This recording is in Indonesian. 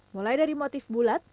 mulai dari motif bulat